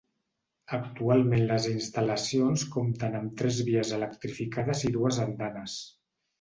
Actualment les instal·lacions compten amb tres vies electrificades i dues andanes.